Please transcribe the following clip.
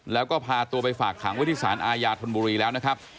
แล้วก็พาตัวไปฝากขังไว้ที่สารอาญาธนบุรีแล้วนะครับ